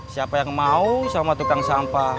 siapa yang mau sama tukang sampah